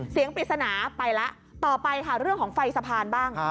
เสียงปริศนะไปแล้วต่อไปเรื่องของไฟสะพานบ้าง